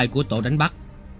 đôi vai của tổ đánh bắt